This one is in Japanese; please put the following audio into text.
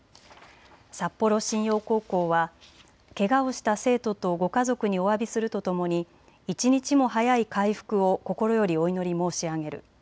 札幌新陽高校はけがをした生徒とご家族におわびするとともに一日も早い回復を心よりお祈り申し上げる。